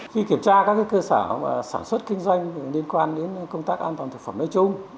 khi kiểm tra các cơ sở sản xuất kinh doanh liên quan đến công tác an toàn thực phẩm nói chung